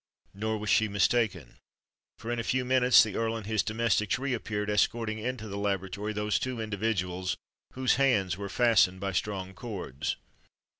Nor was she mistaken; for, in a few minutes, the Earl and his domestics re appeared, escorting into the laboratory those two individuals, whose hands were fastened by strong cords.